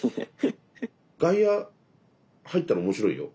外野入ったら面白いよ。